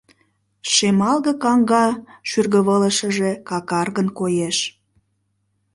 Шемалге каҥга шӱргывылышыже какаргын коеш.